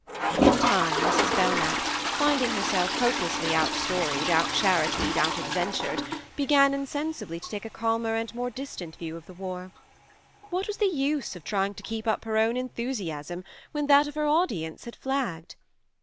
..." In time Mrs. Belknap, finding herself 40 THE MARNE hopelessly out storied, out charitied, out ad ventured, began insensibly to take a calmer and more distant view of the war. What was the use of trying to keep up her own enthusiasm when that of her audience had flagged?